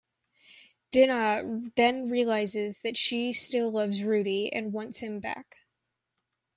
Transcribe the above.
Dinah then realizes that she still loves Rudy and wants him back.